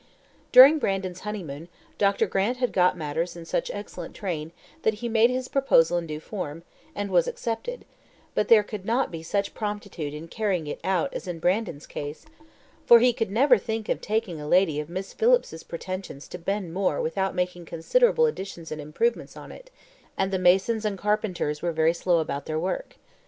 During Brandon's honeymoon, Dr. Grant had got matters in such excellent train that he made his proposal in due form, and was accepted; but there could not be such promptitude in carrying it out as in Brandon's case, for he could never think of taking a lady of Miss Phillips's pretensions to Ben More without making considerable additions and improvements on it, and the masons and carpenters were very slow about their work.